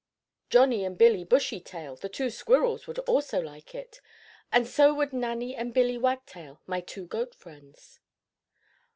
Johnnie and Billie Bushytail, the two squirrels, would also like it, and so would Nannie and Billie Wagtail, my two goat friends."